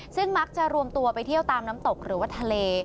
ซึ่งมักจะรวมตัวไปเที่ยวตามน้ำตกหรือว่าทะเล